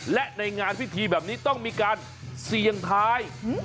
และในงานพิธีแบบนี้ต้องมีการเสี่ยงทาย